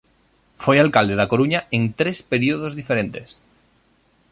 Foi alcalde da Coruña en tres períodos diferentes.